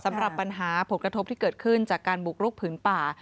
สำหรับปัญหาผลกระทบที่เกิดขึ้นจากการบุกรุกผืนป่า